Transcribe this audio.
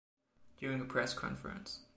During a press conference.